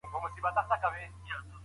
د غریبو خلګو غم وخورئ.